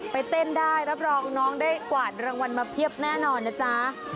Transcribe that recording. เต้นได้รับรองน้องได้กวาดรางวัลมาเพียบแน่นอนนะจ๊ะ